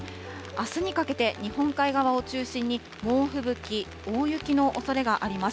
あすにかけて日本海側を中心に、猛吹雪、大雪のおそれがあります。